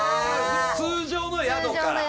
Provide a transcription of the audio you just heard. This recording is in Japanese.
通常の宿から。